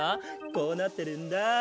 こうなってるんだ。